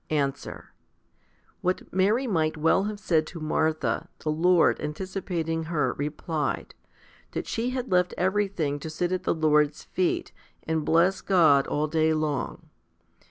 2 Answer. What Mary might well have said to Martha, the Lord, anticipating her, replied that she had left everything to sit at the Lord's feet, and bless God all day long.